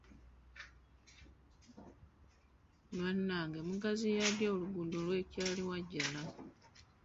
Bannange mugaziya ddi oluguudo lw’e Kyaliwajjala?